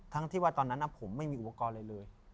ทั้งที่ตอนนั้นนะผมไม่มีอวการเลยเลย